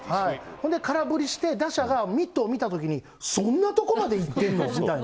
ほんで空振りして、打者がミットを見たときにそんなとこまでいってんの？みたいな。